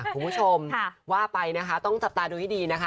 คุณผู้ชมว่าไปนะคะต้องจับตาดูให้ดีนะคะ